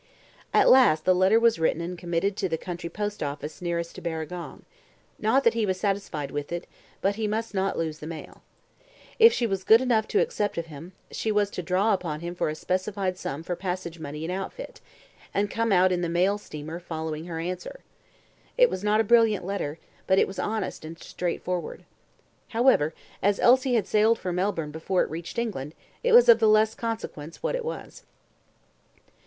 At last the letter was written and committed to the country post office nearest to Barragong not that he was satisfied with it, but he must not lose the mail. If she was good enough to accept of him, she was to draw upon him for a specified sum for passage money and outfit, and come out in the mail steamer following her answer. It was not a brilliant letter, but it was honest and straightforward. However, as Elsie had sailed for Melbourne before it reached England, it was of the less consequence what it was.